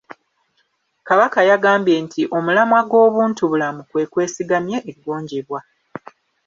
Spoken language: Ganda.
Kabaka yagambye nti omulamwa gw’obuntubulamu kwe kwesigamye eggonjebwa.